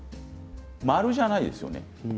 丸じゃないですよね。